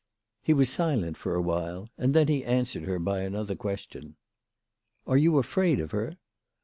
He was silent for a while, and then he answered her by another question. " Are you afraid of her?